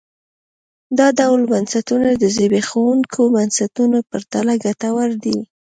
دا ډول بنسټونه د زبېښونکو بنسټونو په پرتله ګټور دي.